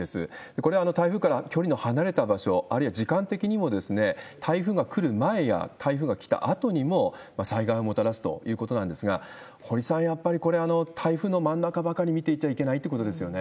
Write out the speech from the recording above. これは台風から距離の離れた場所、あるいは時間的にも台風が来る前や台風が来たあとにも災害をもたらすということなんですが、堀さん、やっぱりこれ、台風の真ん中ばかり見ていちゃいけないということですよね。